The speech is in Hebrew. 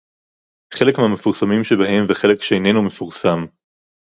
חלק מהמפורסמים שבהם וחלק שאיננו מפורסם